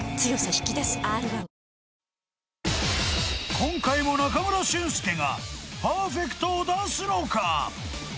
今回も中村俊輔がパーフェクトを出すのか？